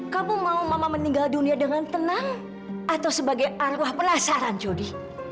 kamu mau mama meninggal dunia dengan tenang atau sebagai arwah penasaran jody